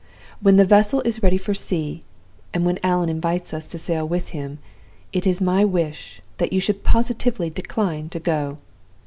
When the vessel is ready for sea, and when Allan invites us to sail with him, it is my wish that you should positively decline to go.